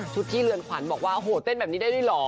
ชุดที่เรือนขวานบอกว่าโหเต้นแบบนี้ได้ได้หรอ